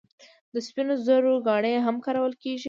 د سپینو زرو ګاڼې هم کارول کیږي.